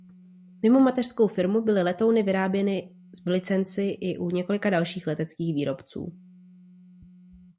Mimo mateřskou firmu byly letouny vyráběny v licenci i u několika dalších leteckých výrobců.